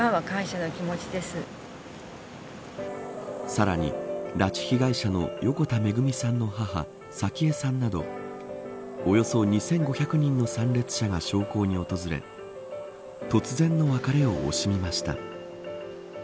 さらに拉致被害者の横田めぐみさんの母早紀江さんなどおよそ２５００人の参列者が焼香に訪れ突然の別れを惜しみました。